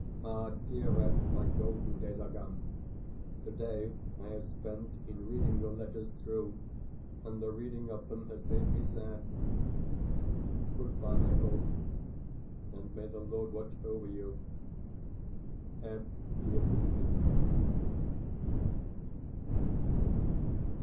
Ah, dearest, my golden days are gone. Today I have spent in reading your letters through; and the reading of them has made me sad. Goodbye, my own, and may the Lord watch over you! M. DIEVUSHKIN.